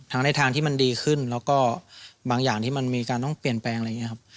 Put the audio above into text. ในทางที่มันดีขึ้นแล้วก็บางอย่างที่มันมีการต้องเปลี่ยนแปลงอะไรอย่างนี้ครับ